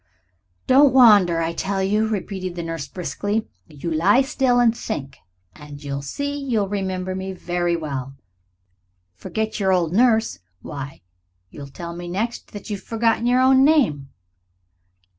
"Don't wander, I tell you," repeated the nurse briskly. "You lie still and think, and you'll see you'll remember me very well. Forget your old nurse why, you will tell me next that you've forgotten your own name."